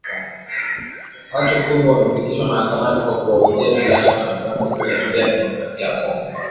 Watu kumi wamefikishwa mahakamani kwa kuwauzia silaha wanamgambo huko Jamhuri ya Kidemokrasia ya Kongo